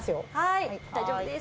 大丈夫です。